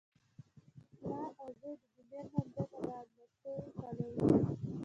پلار او زوی د جمعې لمانځه ته لاړل، مستو یې پالوې.